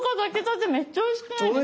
めっちゃおいしくないですか？